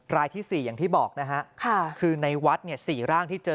รายที่๔อย่างที่บอกนะฮะคือในวัด๔ร่างที่เจอ